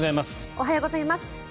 おはようございます。